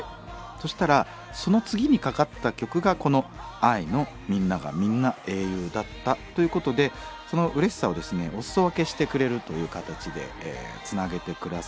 そしたらその次にかかった曲がこのＡＩの「みんながみんな英雄」だったということでそのうれしさをですねお裾分けしてくれるという形でつなげて下さいました。